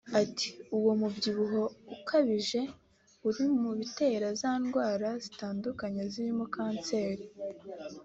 Ati “Uwo mubyibuho ukabije uri mu bitera za ndwara zitandura zirimo kanseri